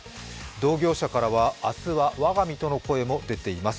同業者からは明日は我が身との声が出ています